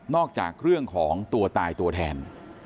จากเรื่องของตัวตายตัวแทน